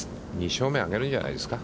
２勝目を挙げるんじゃないですか。